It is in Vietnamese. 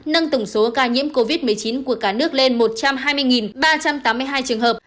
nâng tổng số ca nhiễm covid một mươi chín của cả nước lên một trăm hai mươi ba trăm tám mươi hai trường hợp